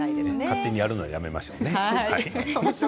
勝手にやるのはやめましょう。